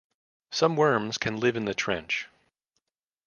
Some worms can live in the trench.